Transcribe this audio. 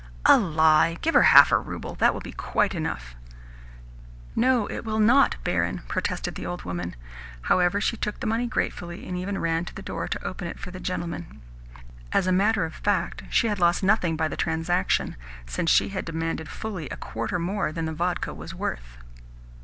"A lie! Give her half a rouble. That will be quite enough." "No, it will NOT, barin," protested the old woman. However, she took the money gratefully, and even ran to the door to open it for the gentlemen. As a matter of fact, she had lost nothing by the transaction, since she had demanded fully a quarter more than the vodka was worth.